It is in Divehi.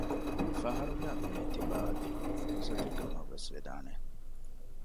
ފަހަރުގައި މިއީ ތިބާއަށް ލިބުނު ފުރުޞަތުކަމަށްވެސް ވެދާނެ